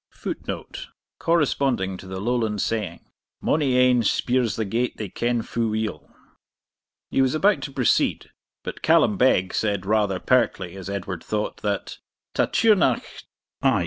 [Footnote: Corresponding to the Lowland saying, 'Mony ane speirs the gate they ken fu' weel.'] He was about to proceed, but Callum Beg said, rather pertly, as Edward thought, that 'Ta Tighearnach (i.